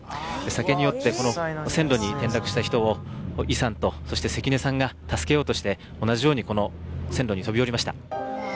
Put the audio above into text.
酒に酔ってこの線路に転落した人をイさんとそして関根さんが助けようとして同じようにこの線路に飛び降りました